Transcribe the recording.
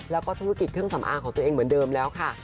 แล้วก็ธุรกิจเครื่องสำอางของตัวเองเหมือนเดิมแล้วค่ะ